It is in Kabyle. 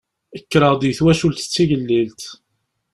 Kkreɣ deg twacult d tigellilt.